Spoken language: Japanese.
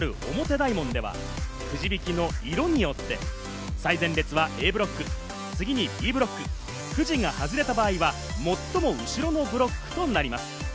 大門では、くじ引きの色によって最前列はＡブロック、次にＢブロック、くじが外れた場合は最も後ろのブロックとなります。